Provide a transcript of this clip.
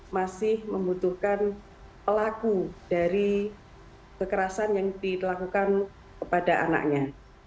masih membutuhkan pelaku dari kekerasan yang dilakukan kepada anaknya